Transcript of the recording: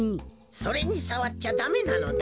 それにさわっちゃダメなのだ。